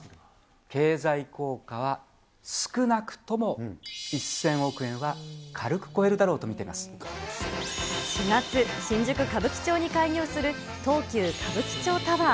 経済効果は少なくとも１０００億円は軽く超えるだろうと見ていま４月、新宿・歌舞伎町に開業する東急歌舞伎町タワー。